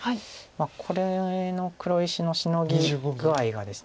これの黒石のシノギ具合がです